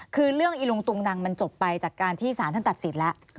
คือเรื่องอีลุงตุงนังมันจบไปจากการที่สารท่านตัดสินแล้ว